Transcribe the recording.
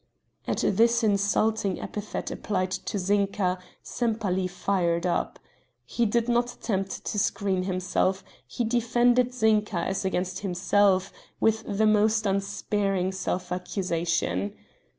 At this insulting epithet applied to Zinka, Sempaly fired up. He did not attempt to screen himself, he defended Zinka as against himself, with the most unsparing self accusation.